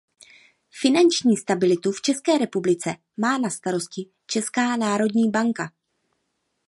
Finanční stabilitu v České republice má na starosti Česká národní banka.